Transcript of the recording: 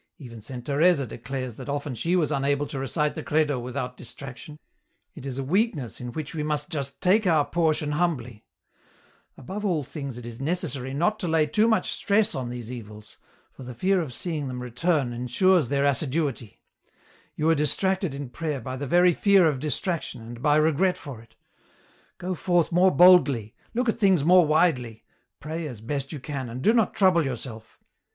Even Saint Teresa declares that often she was unable to recite the Credo without dis traction, it is a weakness in which we must just take our portion humbly : above all things it is necessary not to lay too much stress on these evils, for the fear of seeing them return ensures their assiduity ; you are distracted in prayer by the very fear of distraction, and by regret for it ; go forth more boldly, look at things more widely, pray as best you can, and do not trouble yourself.